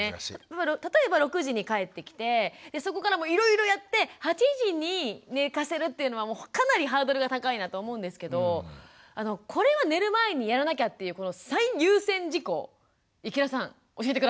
例えば６時に帰ってきてそこからもういろいろやって８時に寝かせるというのはかなりハードルが高いなと思うんですけどこれは寝る前にやらなきゃっていうこの最優先事項池田さん教えて下さい。